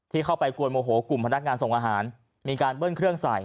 เข้าไปกวนโมโหกลุ่มพนักงานส่งอาหารมีการเบิ้ลเครื่องใส่